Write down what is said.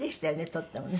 とってもね。